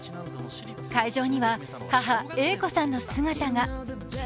会場には母、英子さんの姿が。